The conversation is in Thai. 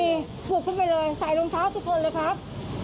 ถูกขึ้นไปเลยใส่รองเท้าทุกคนเลยครับ